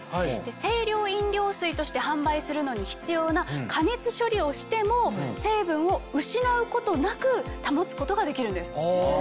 清涼飲料水として販売するのに必要な加熱処理をしても成分を失うことなく保つことができるんです。